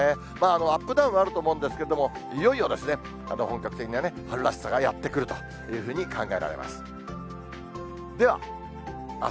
アップダウンはあると思うんですけども、いよいよですね、本格的なね、春らしさがやって来るというふうに考えられます。